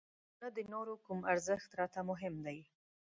نه د نورو کوم ارزښت راته مهم دی.